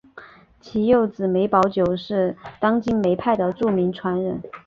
其幼子梅葆玖是当今梅派的著名传人。